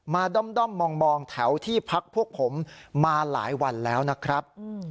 ด้อมมองแถวที่พักพวกผมมาหลายวันแล้วนะครับ